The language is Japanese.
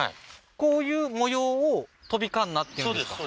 こういう模様をトビカンナっていうんですか？